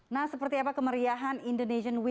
nah seperti apa kemeriahan indonesia